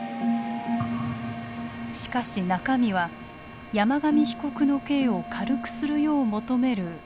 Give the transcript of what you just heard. しかし中身は山上被告の刑を軽くするよう求める署名でした。